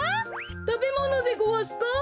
たべものでごわすか？